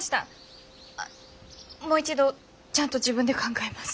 もう一度ちゃんと自分で考えます。